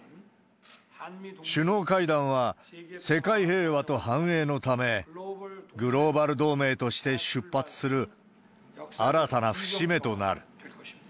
首脳会談は世界平和と繁栄のため、グローバル同盟として出発する新たな節目となる。